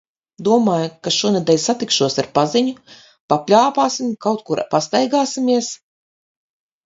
Domāju, ka šonedēļ satikšos ar paziņu. Papļāpāsim, kaut kur pastaigāsimies.